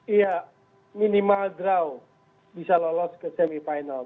iya minimal draw bisa lolos ke semifinal